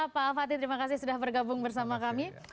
pak al fatih terima kasih sudah bergabung bersama kami